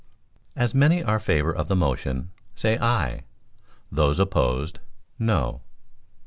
As many as are favor of the motion say Aye; those opposed, No."